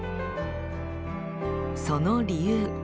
その理由